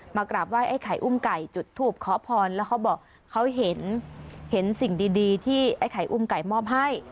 กราบไหว้ไอ้ไข่อุ้มไก่จุดทูบขอพรแล้วเขาบอกเขาเห็นเห็นสิ่งดีที่ไอ้ไข่อุ้มไก่มอบให้